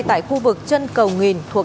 tại khu vực trân cầu nghìn thuộc